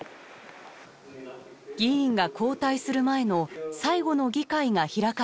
議員が交代する前の最後の議会が開かれていました。